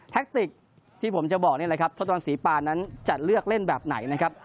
ติกที่ผมจะบอกนี่แหละครับทศวรรษีปานนั้นจะเลือกเล่นแบบไหนนะครับ